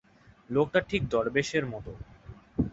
লোকটা ঠিক দরবেশের মতো।